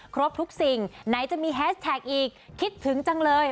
ครบทุกสิ่งไหนจะมีแฮสแท็กอีกคิดถึงจังเลย